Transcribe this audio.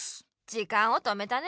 時間を止めたね。